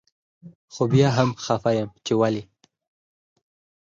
خو بيا هم خپه يم چي ولي